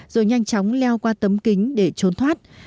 rồi nhanh chóng leo qua tấm kính để trốn thoát